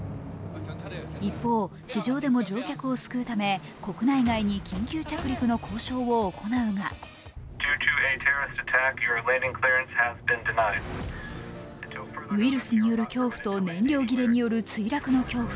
一方、地上でも乗客を救うため、国内外に緊急着陸の交渉を行うがウイルスによる恐怖と燃料切れによる墜落の恐怖。